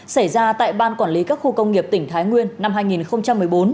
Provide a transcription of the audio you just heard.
xảy ra tại ban quản lý các khu công nghiệp tỉnh thái nguyên năm hai nghìn một mươi bốn